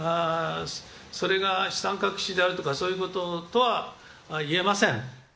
それが資産隠しであるとか、そういうこととはいえません。